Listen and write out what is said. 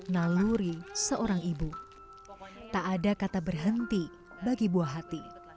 naluri seorang ibu tak ada kata berhenti bagi buah hati